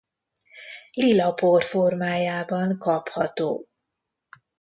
Lila por formájában kapható.